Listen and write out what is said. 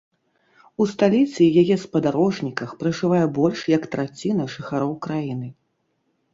У сталіцы і яе спадарожніках пражывае больш як траціна жыхароў краіны.